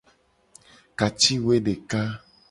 Ka ci woe deka.